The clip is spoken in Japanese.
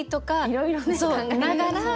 いろいろね考えながら。